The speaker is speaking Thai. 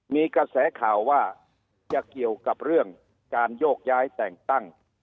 มีกระแสข่าวว่าจะเกี่ยวกับเรื่องการโยกย้ายแต่งตั้ง